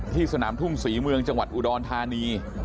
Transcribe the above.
สนามทุ่งศรีเมืองจังหวัดอุดรธานี